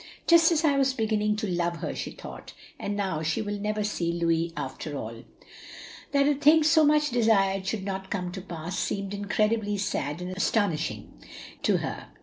"Just as I was beginning to love her," she thought, and now she will never see Louis after all/' That a thing so much desired should not come to pass seemed incredibly sad and astonishing to her.